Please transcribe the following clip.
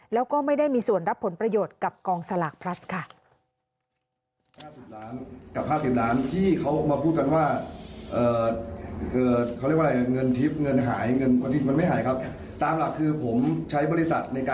แล้วก็ไม่ได้มีส่วนรับผลประโยชน์กับกองสลากพลัสค่ะ